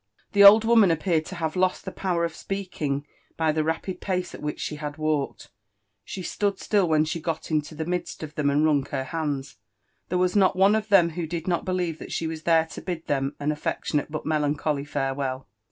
The old woman appeared ko have lost the power of speakiiig by tba rapid pnce at which she had walked, — she stood slill whea she goltntQ ^e midst of Ihem, and w^ung her bauds. There wa$ not one of Uiem who did not believe that she was there Lo bid them an alTecliiOttale but melancholy farewell.